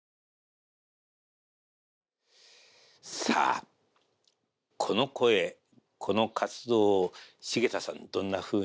さあこの声この活動を繁田さんどんなふうに。